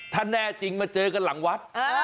ถ้าแน่จริงมาเจอกันหลังวัด